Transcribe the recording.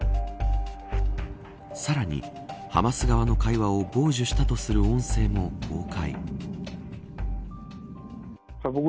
さらに、ハマス側の会話を傍受したとされる音声も公開。